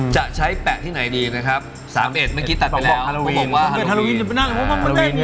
จะใช้แปะที่ไหนดีนะครับ๓๑เมื่อกี้ตัดไปแล้วผมบอกว่าฮาโลวิน